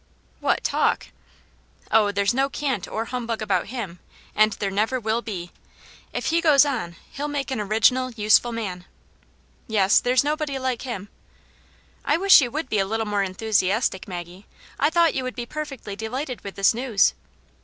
'" "What talk!" "Oh, there's no cant or humbug about him, and 234 Aunt Jane's Hero. there never will be. If he goes on he*ll make an original, useful man." " Yes, there's nobody like him." " I wish you would be a little more enthusiastic, Maggie. I thought you would be perfectly delighted with this news."